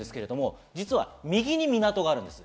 実は右に港があります。